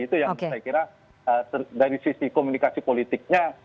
itu yang saya kira dari sisi komunikasi politiknya